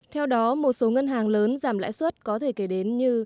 theo đó một số ngân hàng lớn giảm lãi suất có thể kể đến như